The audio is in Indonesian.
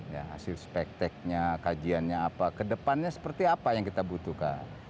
ya hasil spekteknya kajiannya apa kedepannya seperti apa yang kita butuhkan